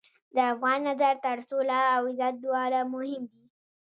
د افغان نظر ته سوله او عزت دواړه مهم دي.